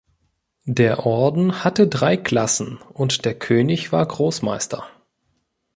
Der Orden hatte drei Klassen und der König war Großmeister.